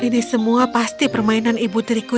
ini semua pasti permainan ibu triku